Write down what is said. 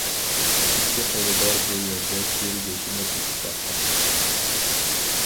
ئىككى خېرىدار بۇ يەردە شىر گۆشىنى تېتىپ باققان.